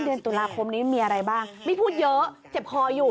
เดือนตุลาคมนี้มีอะไรบ้างไม่พูดเยอะเจ็บคออยู่